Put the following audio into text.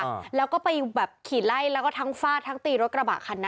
อ่าแล้วก็ไปแบบขี่ไล่แล้วก็ทั้งฟาดทั้งตีรถกระบะคันนั้น